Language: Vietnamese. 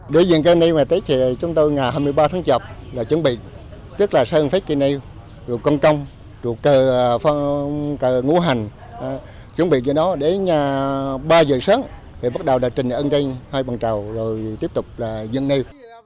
đối với cây nêu này tết thì chúng tôi ngày hai mươi ba tháng một mươi là chuẩn bị trước là sơn phép cây nêu rồi con công rồi cơ ngũ hành chuẩn bị cho nó để ba giờ sớm thì bắt đầu trình ấn trên hai bằng trầu rồi tiếp tục dựng nêu